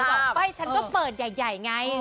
รู้ไหมฉันก็เปิดอย่างใหญ่ไง